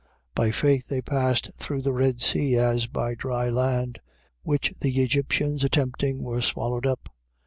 11:29. By faith they passed through the Red Sea, as by dry land: which the Egyptians attempting, were swallowed up.